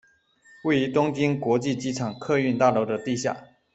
位于东京国际机场客运大楼的地下。